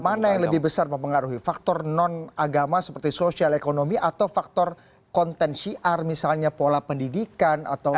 mana yang lebih besar mempengaruhi faktor non agama seperti sosial ekonomi atau faktor konten syiar misalnya pola pendidikan